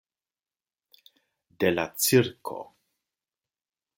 De la cirko.